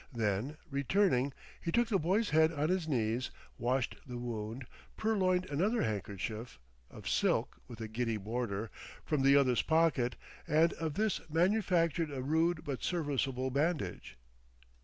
Then, returning, he took the boy's head on his knees, washed the wound, purloined another handkerchief (of silk, with a giddy border) from the other's pocket, and of this manufactured a rude but serviceable bandage.